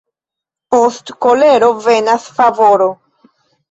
Post kolero venas favoro.